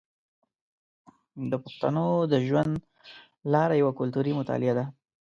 د پښتنو د ژوند لاره یوه کلتوري مطالعه ده.